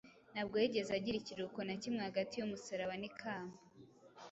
Ntabwo yigeze agira ikiruhuko na kimwe hagati y’umusaraba n’ikamba.